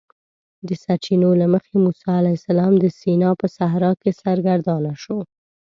د سرچینو له مخې موسی علیه السلام د سینا په صحرا کې سرګردانه شو.